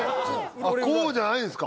こうじゃないんすか？